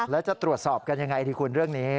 แล้วจะตรวจสอบกันยังไงดีคุณเรื่องนี้